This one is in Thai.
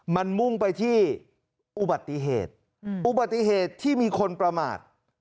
มันมุ่งไปที่อุบัติเหตุอุบัติเหตุที่มีคนประมาท